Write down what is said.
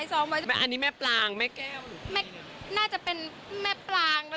แต่ว่าเราก็ตั้งใจอยู่เนาะ